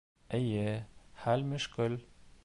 Эйе, хәл мөшкөл.